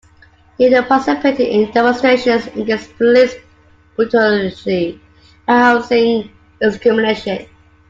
They participated in demonstrations against police brutality and housing discrimination.